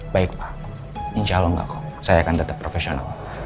baik insya allah enggak kok saya akan tetap profesional